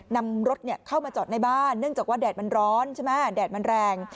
นำรถเข้ามาจอดในบ้านเนื่องจากว่าแดดมันร้อนใช่ไหมแดดมันแรง